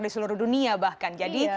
di seluruh dunia bahkan jadi